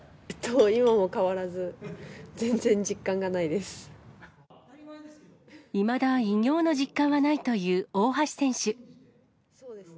今も変わらず、いまだ偉業の実感はないという大橋選手。